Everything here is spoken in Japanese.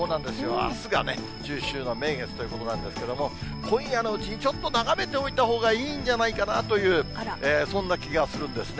あすがね、中秋の名月ということなんですけれども、今夜のうちにちょっと眺めておいたほうがいいんじゃないかなという、そんな気がするんですね。